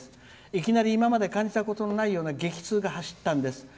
いきなり今まで感じたことのないような激痛が走ったんです。